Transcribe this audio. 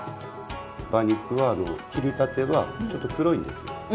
馬肉は切りたてはちょっと黒いんですよ。